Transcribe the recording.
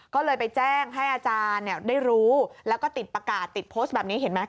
ก็เลยไปแจ้งให้อาจารย์ได้รู้แล้วก็ติดประกาศติดโพสต์แบบนี้เห็นไหม